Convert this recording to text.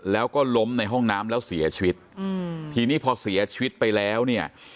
แล้วก็ล้มในห้องน้ำแล้วเสียชีวิตอืมทีนี้พอเสียชีวิตไปแล้วเนี่ย